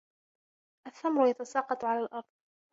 الثَّمَرُ يَتَسَاقَطُ عَلَى الْأرْضِ.